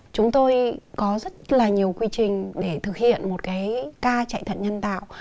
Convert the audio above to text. chúng tôi có rất là nhiều quy trình để thực hiện một cái ca chạy thận nhân tạo